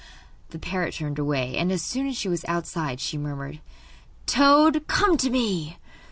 The parrot turned away, and as soon as she was outside she murmured: 'Toad, come to me!